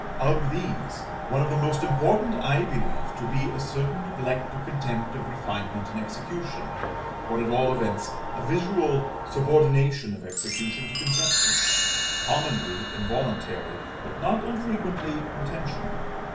Of these, one of the most important I believe to be a certain neglect or contempt of refinement in execution, or, at all events, a visible subordination of execution to conception, commonly involuntary, but not unfrequently intentional.